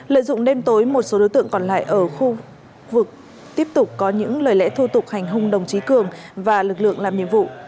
lợi dụng đêm tối một số đối tượng còn lại ở khu vực tiếp tục có những lời lẽ thô tục hành hung đồng chí cường và lực lượng làm nhiệm vụ